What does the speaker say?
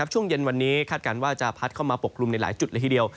ช่วงเย็นวันนี้คาดการณ์ว่าจะพัดเข้ามาปกกลุ่มในหลายจุดละทีเดียว